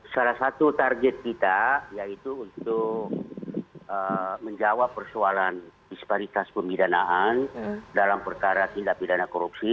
salah satu target kita yaitu untuk menjawab persoalan disparitas pemidanaan dalam perkara tindak pidana korupsi